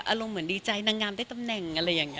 อารมณ์เหมือนดีใจนางงามได้ตำแหน่งอะไรอย่างนี้